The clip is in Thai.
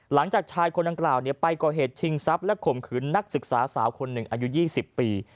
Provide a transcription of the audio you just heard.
หลังจากชายคนดังกล่าวไปก่อเหตุชิงทรัพย์และข่มขืนนักศึกษาสาวคนหนึ่งอายุ๒๐ปี